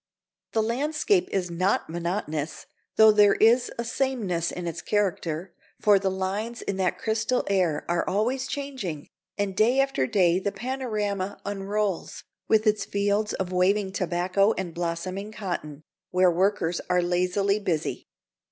The landscape is not monotonous, though there is a sameness in its character, for the lines in that crystal air are always changing, and day after day the panorama unrolls, with its fields of waving tobacco and blossoming cotton, where workers are lazily busy.